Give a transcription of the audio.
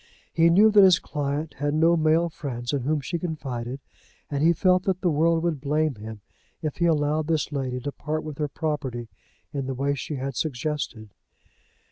He knew that his client had no male friends in whom she confided, and he felt that the world would blame him if he allowed this lady to part with her property in the way she had suggested.